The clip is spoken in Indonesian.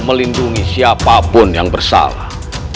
melindungi siapapun yang bersalah